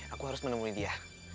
aku harus menemui dia